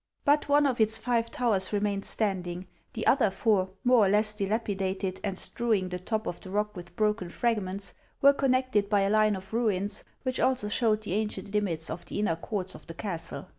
But one of its five towers re mained standing ; the other four, more or less dilapidated, 240 HANS OF ICELAND. and strewing the top of the rock with broken fragments, were connected by a line of ruins, which also showed the ancient limits of the inner courts of the castle.